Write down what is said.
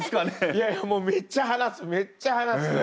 いやいやもうめっちゃ話すめっちゃ話す！